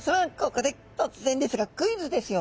ここで突然ですがクイズですよ。